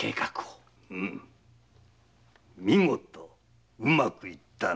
見事うまくいったな。